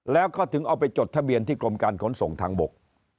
แล้วก็ถึงเอาไปจดทะเบียนที่กรมการขนส่งทางบก